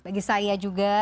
bagi saya juga